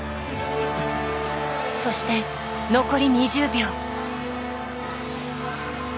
そして残り２０秒。